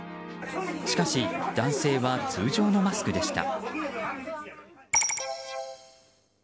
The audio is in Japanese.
しかし男性は通常のマスクでした。